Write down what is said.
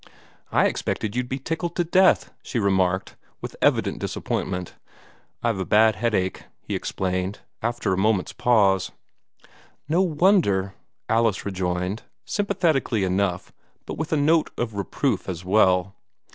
"I expected you'd be tickled to death," she remarked, with evident disappointment. "I've a bad headache," he explained, after a minute's pause. "No wonder!" Alice rejoined, sympathetically enough, but with a note of reproof as well.